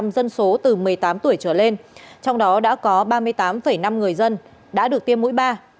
một mươi dân số từ một mươi tám tuổi trở lên trong đó đã có ba mươi tám năm người dân đã được tiêm mũi ba